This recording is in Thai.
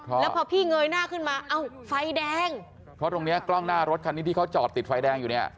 แล้วพอพี่เงยหน้าขึ้นมาเอ้าไฟแดงเพราะตรงเนี้ยกล้องหน้ารถคันนี้ที่เขาจอดติดไฟแดงอยู่เนี่ย